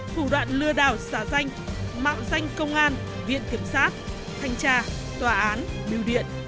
thủ đoạn lừa đảo xả danh mạo danh công an viện kiểm soát thanh tra tòa án biêu điện